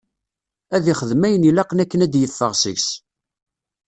Ad ixdem ayen ilaqen akken ad d-yeffeɣ seg-s.